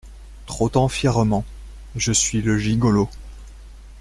Trottant fièrement. je suis le gigolo !